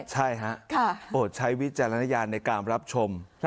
ใช่ฮะใช้วิจารณญาณในการรับชม